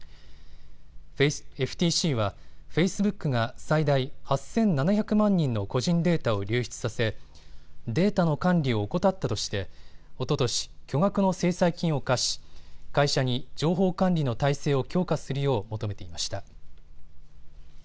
ＦＴＣは、フェイスブックが最大８７００万人の個人データを流出させデータの管理を怠ったとしておととし、巨額の制裁金を科し、会社に情報管理の体制を強化するよう求めていました。